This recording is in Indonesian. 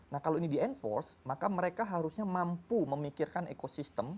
nah kalau ini di enforce maka mereka harusnya mampu memikirkan ekosistem